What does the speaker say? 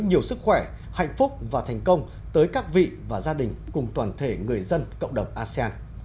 nhiều sức khỏe hạnh phúc và thành công tới các vị và gia đình cùng toàn thể người dân cộng đồng asean